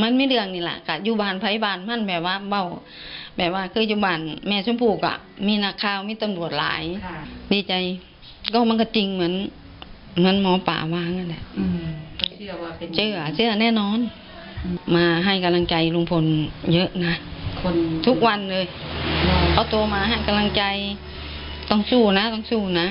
เยอะนะทุกวันเลยเขาโตมากำลังใจต้องชู้นะต้องชู้นะ